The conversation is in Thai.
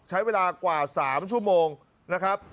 ใช้เวลากว่า๓ชั่วโมงนะครับ